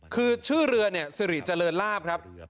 คือชื่อเรือนิยะศิริเจริญราป